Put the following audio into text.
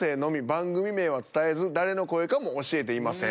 番組名は伝えず誰の声かも教えていません。